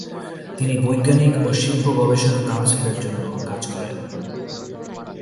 তিনি বৈজ্ঞানিক ও শিল্প গবেষণা কাউন্সিলের জন্য কাজ করেন।